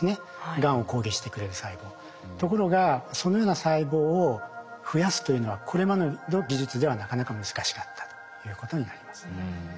ところがそのような細胞を増やすというのはこれまでの技術ではなかなか難しかったということになります。